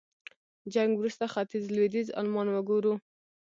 جنګ وروسته ختيځ لوېديځ المان وګورو.